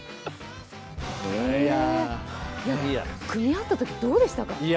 組み合ったとき、どうでしたか？